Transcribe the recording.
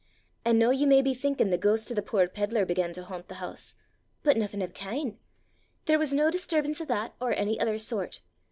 "'An' noo ye may be thinkin' the ghaist o' the puir pedlar began to haunt the hoose; but naething o' the kin'! There was nae disturbance o' that, or ony ither sort.